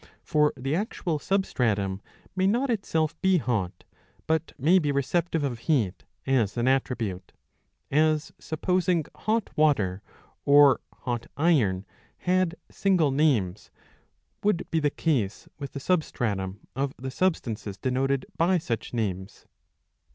For the actual substratum may not itself be hot, but may be receptive of heat as an attribute ; as, supposing hot water or hot iron had single names, would be the case with the substratum of the substances denoted by such names.